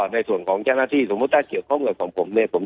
ในส่วนของเจ้าหน้าที่สมมุติถ้าเกี่ยวข้องกับของผมเนี่ย